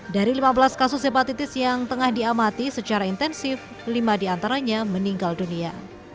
dari lima belas kasus hepatitis yang tengah diamati secara intensif lima diantaranya meninggal dunia